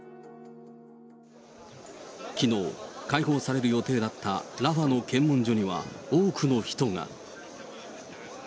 きのう、開放される予定だったラファの検問所には、多くの人が。